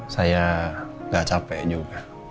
saya gak capek juga